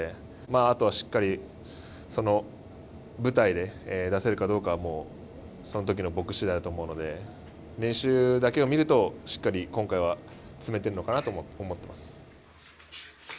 あとは、しっかり舞台で出せるかどうかはそのときの僕しだいだと思うので練習だけを見るとしっかり今回は詰めてるのかなと思ってます。